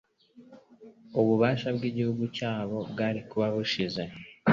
ububasha bw,'igihugu cyabo bwari kuba bushize.